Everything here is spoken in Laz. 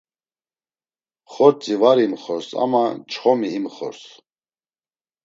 Xortsi var imxors ama çxomi imxors.